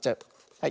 はい。